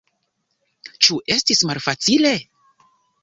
Ĉu estis malfacile?